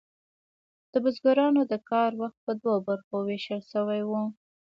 د بزګرانو د کار وخت په دوو برخو ویشل شوی و.